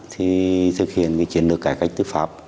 thì thực hiện cái chiến lược cải cách tư pháp